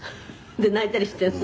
「で泣いたりしているの？」